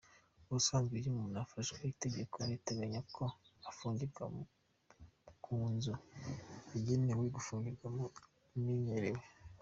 Ubusanzwe iyo umuntu afashwe itegeko riteganya ko afungirwa ku nzu yagenewe gufungirwamo imwegereye.